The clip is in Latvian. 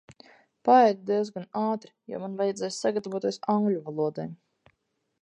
Paēdu diezgan ātri, jo man vajadzēs sagatavoties angļu valodai.